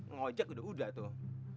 ngojek udah udah tuh